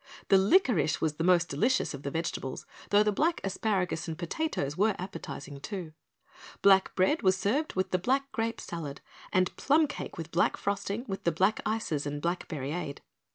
The licorice was the most delicious of the vegetables, though the black asparagus and potatoes were appetizing, too. Black bread was served with the black grape salad and plum cake with black frosting with the black ices and blackberryade.